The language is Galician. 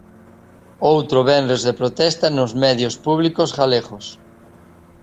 Outro venres de protesta nos medios públicos galegos.